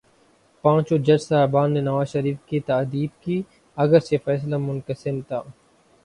پانچوں جج صاحبان نے نواز شریف کی تادیب کی، اگرچہ فیصلہ منقسم تھا۔